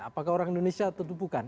apakah orang indonesia atau bukan